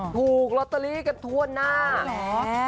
ถูกลอตเตอรี่กันทั่วหน้าเหรอ